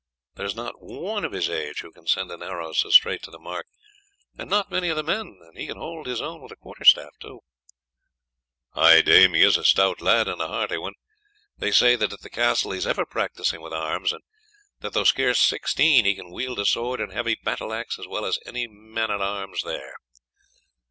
There is not one of his age who can send an arrow so straight to the mark, and not many of the men; and he can hold his own with a quarter staff too." "Ay, dame; he is a stout lad, and a hearty one. They say that at the castle he is ever practising with arms, and that though scarce sixteen he can wield a sword and heavy battle axe as well as any man at arms there."